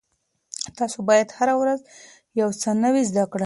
تاسو باید هره ورځ یو څه نوي زده کړئ.